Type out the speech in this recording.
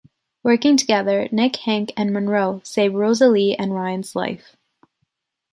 Working together, Nick, Hank and Monroe save Rosalee and Ryan’s life.